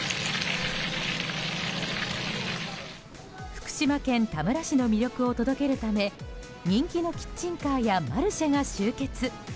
福島県田村市の魅力を届けるため人気のキッチンカーやマルシェが集結。